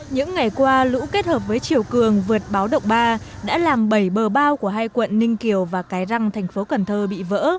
những ngày qua lũ kết hợp với chiều cường vượt báo động ba đã làm bầy bờ bao của hai quận ninh kiều và cái răng thành phố cần thơ bị vỡ